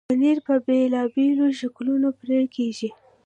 پنېر په بېلابېلو شکلونو پرې کېږي.